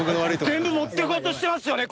全部持っていこうとしてますよね